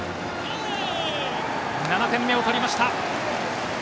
７点目を取りました。